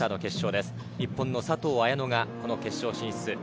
日本の佐藤綾乃が決勝進出。